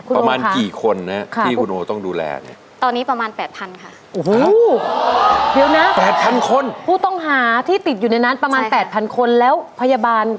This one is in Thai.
ประมาณกี่คนนะที่คุณโอต้องดูแลเนี่ยตอนนี้ประมาณ๘๐๐ค่ะ